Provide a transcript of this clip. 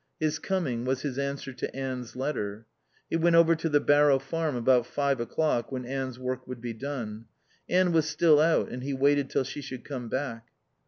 His coming was his answer to Anne's letter. He went over to the Barrow Farm about five o'clock when Anne's work would be done. Anne was still out, and he waited till she should come back.